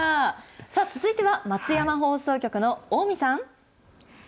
さあ、続いては、松山放送局の近江さん。